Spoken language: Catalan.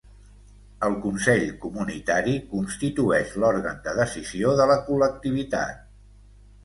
El consell comunitari constitueix l'òrgan de decisió de la col·lectivitat.